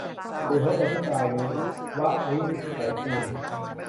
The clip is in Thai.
สุดหัวใจที่ปลายรุ้ง - ว วินิจฉัยกุล